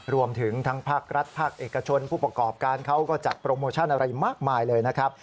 รวมถึงทั้งภาครัฐภาคเอกชนผู้ประกอบการเขาก็จัดโปรโมชั่นอะไรมากมายเลยนะครับ